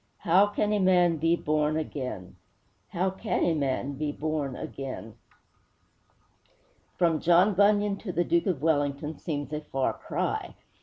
'How can a man be born again? How can a man be born again?' From John Bunyan to the Duke of Wellington seems a far cry.